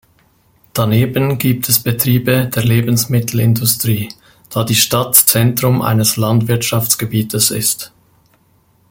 Daneben gibt es Betriebe der Lebensmittelindustrie, da die Stadt Zentrum eines Landwirtschaftsgebietes ist.